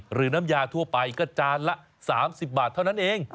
น้ำยาทั่วไปก็จานละ๓๐บาทเท่านั้นเอง